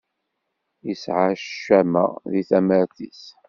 Yesɛa ccama deg tamart-is.